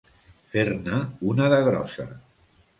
Fer-ne una de grossa.